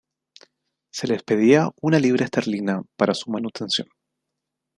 Se les pedía una libra esterlina para su manutención.